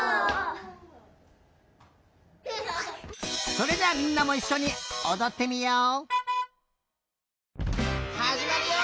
それじゃあみんなもいっしょにおどってみよう！